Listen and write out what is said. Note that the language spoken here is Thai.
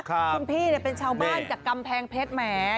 คุณพี่เป็นชาวบ้านจากกำแพงเพชรแหม